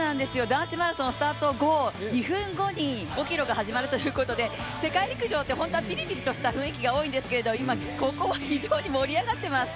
男子マラソンスタート後２分後に５ｋｍが始まるということで世界陸上って本当はぴりぴりとした雰囲気が多いんですけど今、ここは非常に盛り上がっています。